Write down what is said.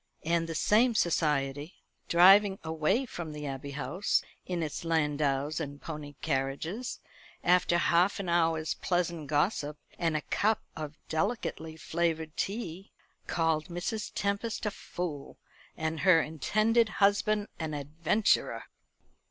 And the same society, driving away from the Abbey House in its landaus and pony carriages, after half an hour's pleasant gossip and a cup of delicately flavoured tea, called Mrs. Tempest a fool, and her intended husband an adventurer.